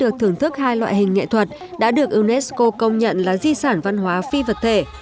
được thưởng thức hai loại hình nghệ thuật đã được unesco công nhận là di sản văn hóa phi vật thể